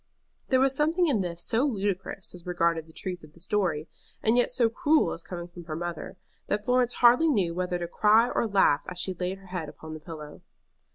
There was something in this so ludicrous as regarded the truth of the story, and yet so cruel as coming from her mother, that Florence hardly knew whether to cry or laugh as she laid her head upon the pillow.